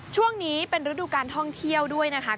ช่วงนี้เป็นฤดูการท่องเที่ยวด้วยนะคะ